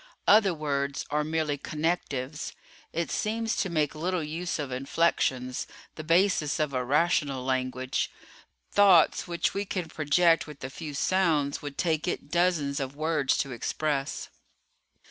Other words are merely connectives. It seems to make little use of inflections, the basis of a rational language. Thoughts which we can project with a few sounds would take it dozens of words to express."